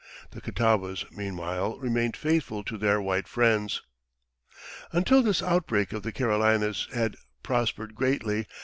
The Catawbas, meanwhile, remained faithful to their white friends. Until this outbreak the Carolinas had prospered greatly.